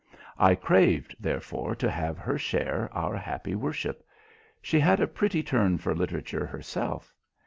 I craved, therefore, to have her share our happy worship. She had a pretty turn for literature herself.